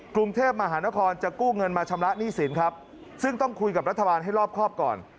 กรุงเทพมหานครจะกู้เงินมาชำระหนี้สินครับซึ่งต้องคุยกับรัฐบาลให้รอบครอบก่อน